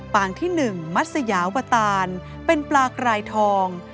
ปางที่หนึ่งมัสยาวตาลเป็นปลากรายทอง